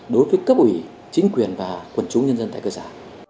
đối với cấp ủy chính quyền và quần chúng nhân dân tại cơ sở